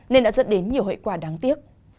nên đã dẫn đến nhiều hệ quả đáng tiếc